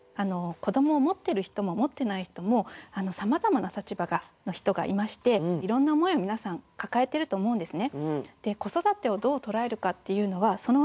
子どもを持ってる人も持ってない人もさまざまな立場の人がいましていろんな思いを皆さん抱えてると思うんですね。